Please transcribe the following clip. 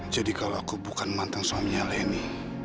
jadi kalau aku bukan mantan suaminya leni